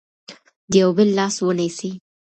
د یو بل لاس ونیسئ.